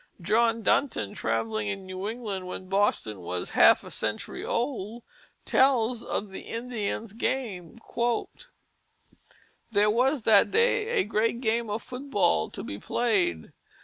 John Dunton, travelling in New England when Boston was half a century old, tells of the Indians' game: "There was that day a great game of Foot ball to be played.